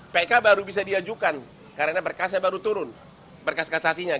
pk baru bisa diajukan karena berkasnya baru turun berkas kasasinya